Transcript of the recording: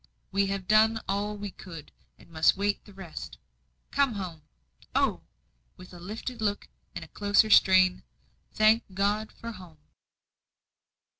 "We have done all we could and must wait the rest. Come home. Oh!" with a lifted look and a closer strain, "thank God for home!"